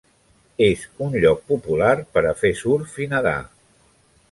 És un lloc popular per a fer surf i nadar.